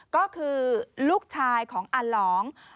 ก็คือลูกชายของอาหลอง